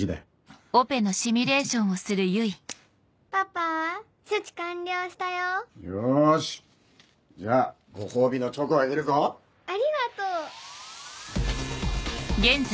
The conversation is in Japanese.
フフパパ処置完了したよよしじゃあご褒美のチョコをあげるぞありがとう！